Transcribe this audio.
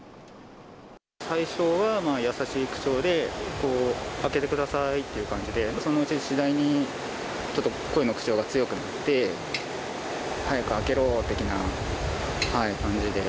最初は優しい口調で開けてくださいっていう感じで、そのうち次第に、ちょっと声の口調が強くなって、早く開けろ！的な感じで。